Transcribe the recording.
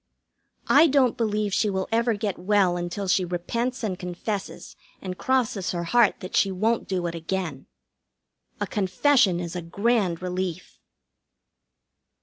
I don't believe she will ever get well until she repents and confesses and crosses her heart that she won't do it again. A confession is a grand relief.